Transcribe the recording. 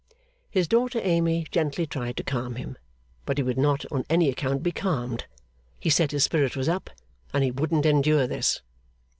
His daughter Amy gently tried to calm him, but he would not on any account be calmed. He said his spirit was up, and wouldn't endure this.